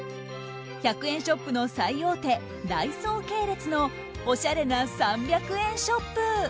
１００円ショップの最大手ダイソー系列のおしゃれな３００円ショップ。